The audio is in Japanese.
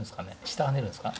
下ハネるんですか？